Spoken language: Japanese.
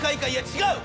違う。